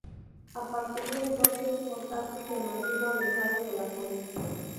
A partir de entonces Otazu se mantuvo alejado de la política.